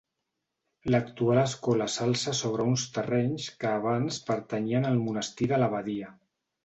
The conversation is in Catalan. L'actual escola s'alça sobre uns terrenys que abans pertanyien al monestir de l'abadia.